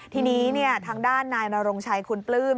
ทีนี้ทางด้านนายนรงชัยคุณปลื้ม